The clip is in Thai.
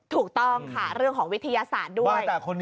ถูกต้องค่ะเรื่องของวิทยาศาสตร์ด้วย